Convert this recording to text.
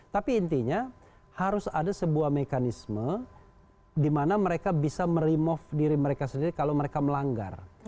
tapi intinya harus ada sebuah mekanisme di mana mereka bisa meremove diri mereka sendiri kalau mereka melanggar